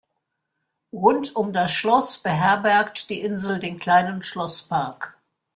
Rund um das Schloss beherbergt die Insel den kleinen Schlosspark.